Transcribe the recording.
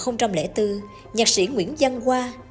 năm hai nghìn bốn nhạc sĩ nguyễn văn hoa